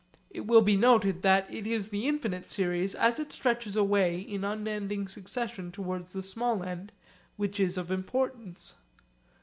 It will be noted that it is the infinite series, as it stretches away in unending succession towards the small end, which is of importance.